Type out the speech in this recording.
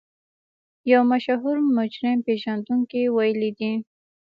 يو مشهور مجرم پېژندونکي ويلي دي.